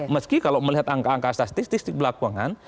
meski kalau melihat angka angka statistik statistik berlakuan